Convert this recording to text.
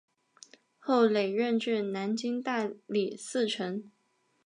后累任至南京大理寺丞。